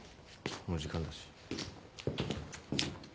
もう時間だし。